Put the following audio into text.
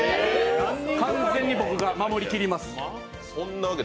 完全に僕が守りきります。